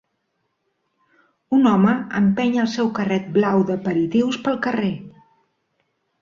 Un home empeny el seu carret blau d'aperitius pel carrer.